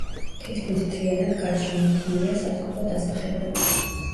თითქმის მთლიანად გარსშემორტყმულია სასოფლო დასახლებებით.